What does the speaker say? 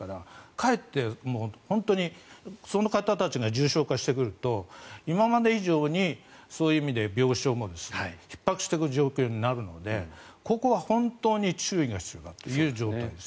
かえって本当にその方たちが重症化してくると今まで以上にそういう意味で病床もひっ迫する状況になるのでここは本当に注意が必要だという状態です。